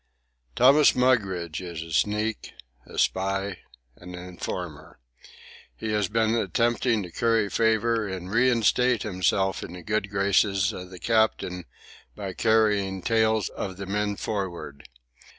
Thomas Mugridge is a sneak, a spy, an informer. He has been attempting to curry favour and reinstate himself in the good graces of the captain by carrying tales of the men forward.